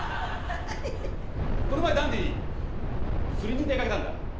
この前ダンディ釣りに出かけたんだ。